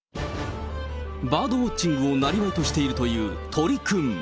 バードウォッチングをなりわいとしているという鳥くん。